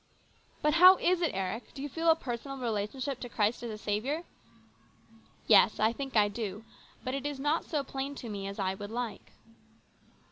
" But how is it, Eric ? Do you feel a personal relationship to Christ as a Saviour ?"" Yes, I think I do. But it is not so plain to me as I would like."